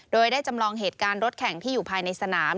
โดยได้จำลองเหตุการณ์รถแข่งที่อยู่ภายในสนาม